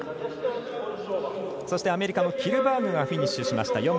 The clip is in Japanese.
そしてアメリカのキルバーグがフィニッシュしました。